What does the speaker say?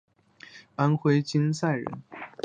安徽金寨人。